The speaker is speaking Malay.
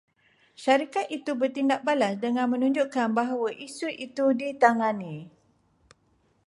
Syarikat itu bertindak balas dengan menunjukkan bahawa isu itu ditangani